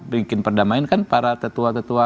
bikin perdamaian kan para tetua ketua